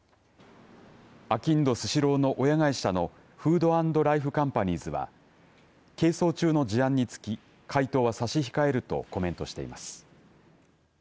あきんどスシローの親会社のＦＯＯＤ＆ＬＩＦＥＣＯＭＰＡＮＩＥＳは係争中の事案につき回答は差し控えるとコメントしています。